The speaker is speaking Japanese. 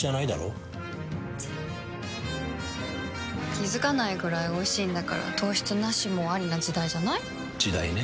気付かないくらいおいしいんだから糖質ナシもアリな時代じゃない？時代ね。